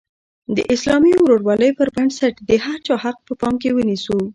د اسلامي ورورولۍ پر بنسټ د هر چا حق په پام کې ونیسو.